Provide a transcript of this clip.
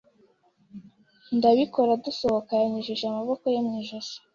ndabikora dusohoka yanyujije amabokoye mwijosi